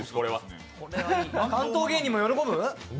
関東芸人も喜ぶ？